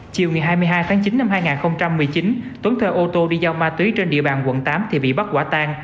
chiều ngày hai mươi hai tháng chín năm hai nghìn một mươi chín tuấn thuê ô tô đi giao ma túy trên địa bàn quận tám thì bị bắt quả tang